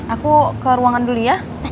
aku ke ruangan dulu ya